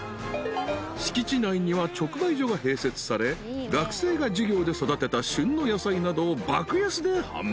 ［敷地内には直売所が併設され学生が授業で育てた旬の野菜などを爆安で販売］